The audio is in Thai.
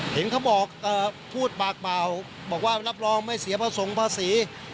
เห็นเขาบอกพูดปากเปล่าบอกว่ารับรองไม่เสียผสมภาษี